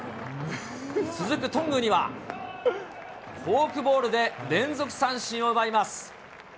続く頓宮には、フォークボールで連続三振を奪います。